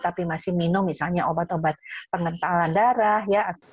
tapi masih minum misalnya obat obat pengentalan darah ya